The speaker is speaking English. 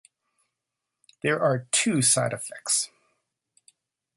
There are two side effects.